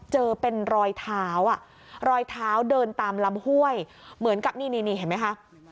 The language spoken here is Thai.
เจอเป็นรอยเท้าอ่ะรอยเท้าเดินตามลำห้วยเหมือนกับนี่นี่เห็นไหมคะ